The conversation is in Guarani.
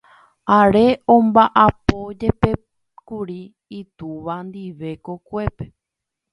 Are omba'apojepékuri itúva ndive kokuépe.